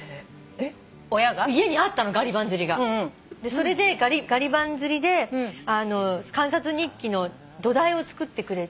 それでガリ版刷りで観察日記の土台を作ってくれて。